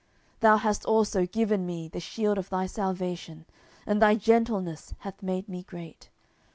10:022:036 Thou hast also given me the shield of thy salvation: and thy gentleness hath made me great.